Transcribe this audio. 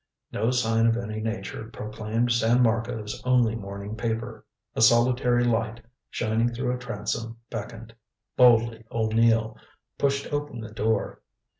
No sign of any nature proclaimed San Marco's only morning paper. A solitary light, shining through a transom, beckoned. Boldly O'Neill pushed open the door.